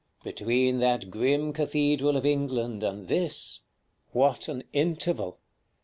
Between that grim cathedral of England and this, what an interval!